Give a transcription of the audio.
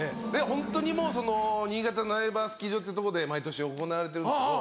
ホントにもうその新潟の苗場スキー場ってとこで毎年行われてるんですけど。